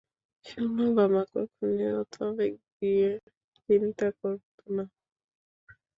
শোন, বাবা কখনোই অত আবেগ দিয়ে চিন্তা করত না।